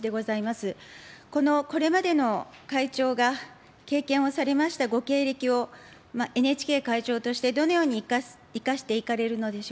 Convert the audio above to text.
このこれまでの会長が経験をされましたご経歴を、ＮＨＫ会長としてどのように生かしていかれるのでしょうか。